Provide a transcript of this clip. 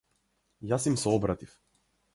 Јас им се обратив.